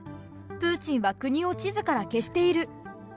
プーチンは国を地図から消している。